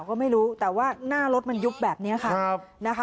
ก็ไม่รู้แต่ว่าหน้ารถมันยุบแบบนี้ค่ะนะคะ